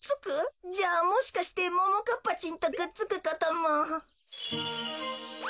じゃあもしかしてももかっぱちんとくっつくことも。